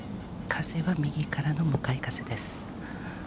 風は右からの向かい風です。